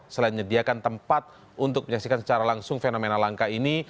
selain menyediakan tempat untuk menyaksikan secara langsung fenomena langka ini